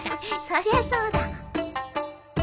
そりゃそうだ。